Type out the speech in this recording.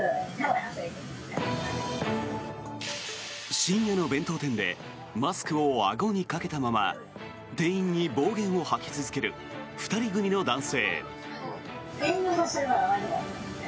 深夜の弁当店でマスクをあごにかけたまま店員に暴言を吐き続ける２人組の男性。